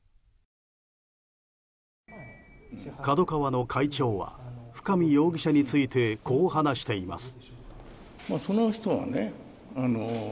ＫＡＤＯＫＡＷＡの会長は深見容疑者についてこう話しています。